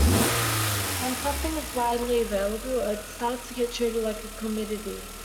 When something is widely available, it starts to get treated like a commodity.